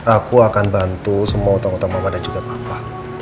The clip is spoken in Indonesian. aku akan bantu semua utang utang mama dan juga papa